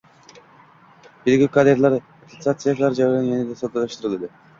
Pedagog kadrlar attestatsiyasi jarayonlari yanada soddalashtirildi